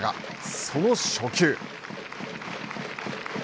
その初球。